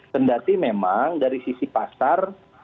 kendati memang dari sisi pasar